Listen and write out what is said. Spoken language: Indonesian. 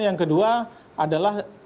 yang kedua adalah